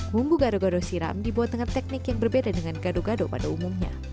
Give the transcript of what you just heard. bumbu gado gado siram dibuat dengan teknik yang berbeda dengan gado gado pada umumnya